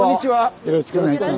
よろしくお願いします。